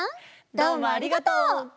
どうもありがとう！